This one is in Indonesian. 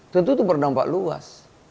tentu itu berdampak luas